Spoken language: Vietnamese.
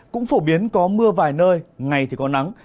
cũng phổ biến có mưa vài nơi ngày thì có nắng